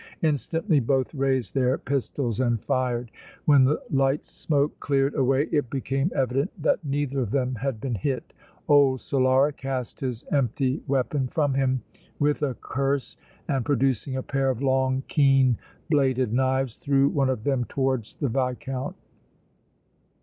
Instantly both raised their pistols and fired. When the light smoke cleared away it became evident that neither of them had been hit. Old Solara cast his empty weapon from him with a curse and, producing a pair of long, keen bladed knives, threw one of them towards the Viscount.